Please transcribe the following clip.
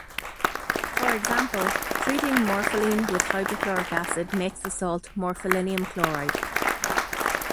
For example, treating morpholine with hydrochloric acid makes the salt morpholinium chloride.